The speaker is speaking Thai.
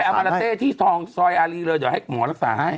เอามาลาเตะที่สองยรีหรือเดี๋ยวให้หมอรักษาให้